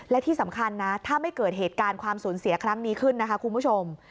และที่สำคัญนะถ้าไม่เกิดเหตุการณ์ความสูญเสียครั้งนี้ขึ้นนะคะคุณผู้ชม